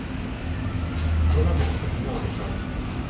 Corola blanquecina o rosada.